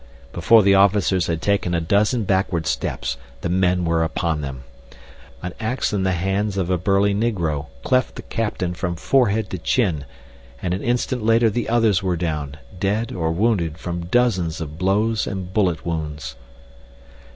Before the officers had taken a dozen backward steps the men were upon them. An ax in the hands of a burly Negro cleft the captain from forehead to chin, and an instant later the others were down: dead or wounded from dozens of blows and bullet wounds.